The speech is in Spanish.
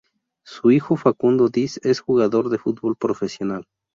Su hijo Facundo Diz es jugador de fútbol profesional.